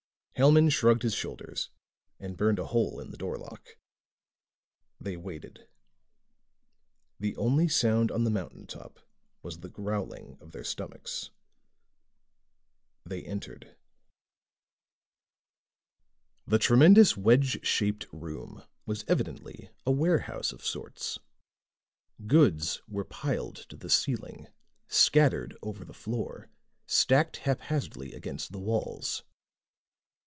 Hellman shrugged his shoulders and burned a hole in the doorlock. They waited. The only sound on the mountain top was the growling of their stomachs. They entered. The tremendous wedge shaped room was evidently a warehouse of sorts. Goods were piled to the ceiling, scattered over the floor, stacked haphazardly against the walls.